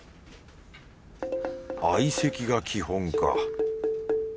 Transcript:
相席が基本か。